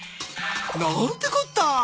何てこった！